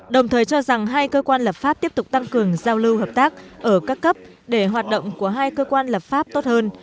đồng thời cho rằng hai cơ quan lập pháp tiếp tục tăng cường giao lưu hợp tác ở các cấp để hoạt động của hai cơ quan lập pháp tốt hơn